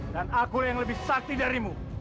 dan aku yang lebih sakti darimu